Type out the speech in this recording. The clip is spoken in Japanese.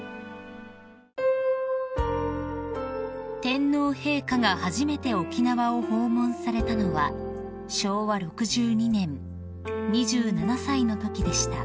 ［天皇陛下が初めて沖縄を訪問されたのは昭和６２年２７歳のときでした］